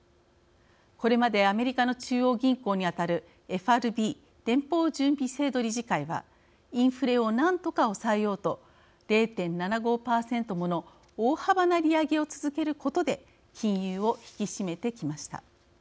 これまでアメリカの中央銀行に当たるＦＲＢ＝連邦準備制度理事会はインフレをなんとか抑えようと０．７５％もの大幅な利上げを続けることで金融を引き締めてきました。